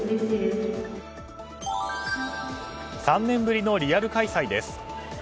３年ぶりのリアル開催です。